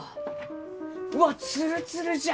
うわっツルツルじゃ！